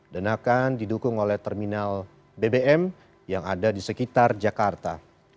akan didukung oleh terminal bbm yang ada di sekitar jakarta